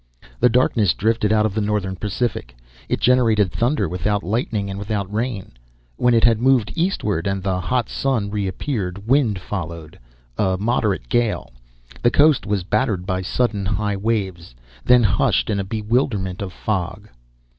The darkness drifted out of the northern Pacific. It generated thunder without lightning and without rain. When it had moved eastward and the hot sun reappeared, wind followed, a moderate gale. The coast was battered by sudden high waves, then hushed in a bewilderment of fog.